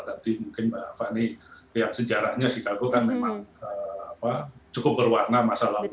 jadi mungkin pak fani lihat sejarahnya chicago kan memang cukup berwarna masa lalu ini